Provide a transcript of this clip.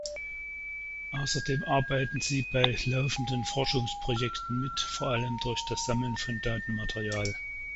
Außerdem arbeiten sie bei laufenden Forschungsprojekten mit, vor allem durch das Sammeln von Datenmaterial.